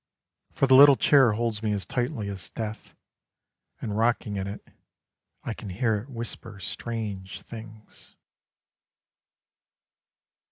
For the little chair holds me as tightly as death; And rocking in it, I can hear it whisper strange things.